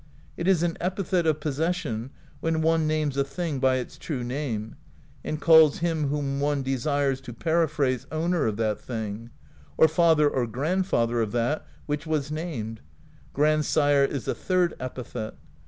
It is an epithet of possession when one names a thing by its true name, and calls him whom one desires to periphrase Owner of that thing; or Father or Grandfather of that which was named; Grandsire is a third epithet.